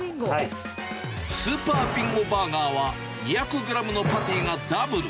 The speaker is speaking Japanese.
スーパービンゴバーガーは、２００グラムのパティがダブル。